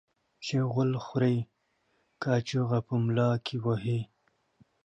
چي غول خوري ، کاچوغه په ملا کې وهي.